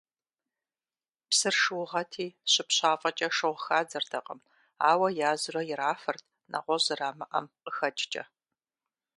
Псыр шыугъэти, щыпщафӏэкӏэ шыгъу хадзэртэкъым, ауэ язурэ ирафырт, нэгъуэщӏ зэрамыӏэм къыхэкӏкӏэ.